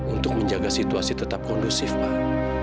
untuk menjaga situasi tetap kondusif pak